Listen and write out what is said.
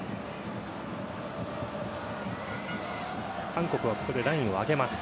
韓国は、ここでラインを上げます。